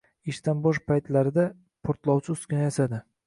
Ishdan boʻsh paytlarida portlovchi uskuna yasadi